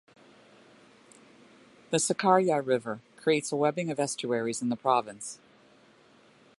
The Sakarya River creates a webbing of estuaries in the province.